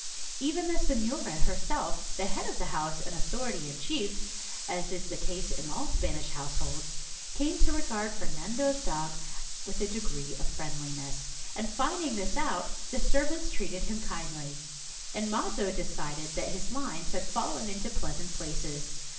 Even the senora herself, the head of the house and authority in chief, as is the case in all Spanish households, came to regard Fernan do's dog with a degree of friendliness, and finding this out, the servants treated him kindly ; and Mazo decided that his lines had fallen in pleasant places.